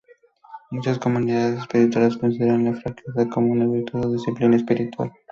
Muchas comunidades espirituales consideran la frugalidad como una virtud o disciplina espiritual.